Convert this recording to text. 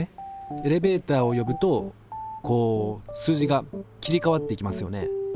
エレベーターを呼ぶとこう数字が切り替わっていきますよね。